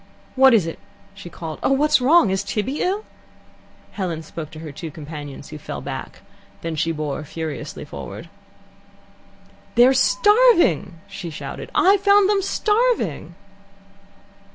"What is it?" she called. "Oh, what's wrong? Is Tibby ill?" Helen spoke to her two companions, who fell back. Then she bore forward furiously. "They're starving!" she shouted. "I found them starving!"